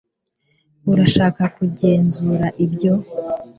urashaka kugenzura ibyo